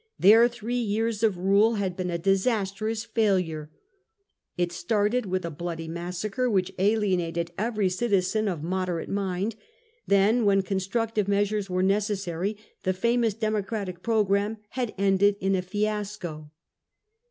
Their three years of rule had been a disastrous failure; it started with a bloody massacre which alienated every citizen of moderate mind. Then, when constructive measures were necessary, the famous Democratic programme had ended in a fiasco.